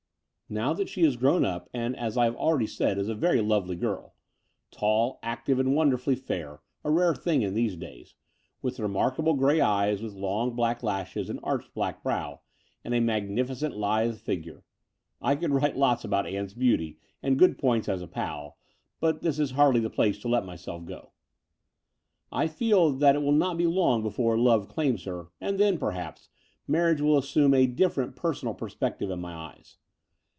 Now that she is grown up and, as I have already said, is a very lovely girl — tall, active, and wonder fully fair, a rare thing in these days, with remark able grey eyes with long black lashes and arched black brow, and a magnificent lithe figure (I could write lots about Ann's beauty and good points as a pal, but this is hardly the place to let myself go) — I feel that it will not be long before love claims her, and then, perhaps, marriage will assume a different personal perspective in my eyes.